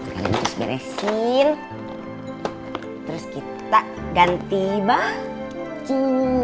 kalian terus beresin terus kita ganti baju